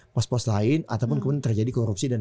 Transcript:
pos pos lain ataupun kemudian terjadi korupsi dan